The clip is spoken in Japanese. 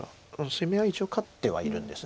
攻め合い一応勝ってはいるんです。